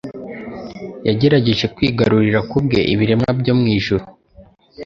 Yagerageje kwigarurira ku bwe ibiremwa byo mu ijuru,